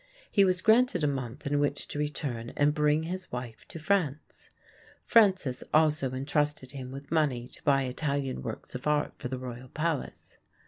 He was granted a month in which to return and bring his wife to France. Francis also intrusted him with money to buy Italian works of art for the royal palace.